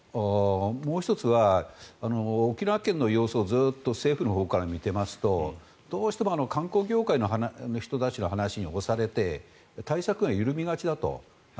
もう１つは沖縄県の様子をずっと政府のほうから見ていますとどうしても観光業界の人たちの話に押されて対策が緩みがちだと。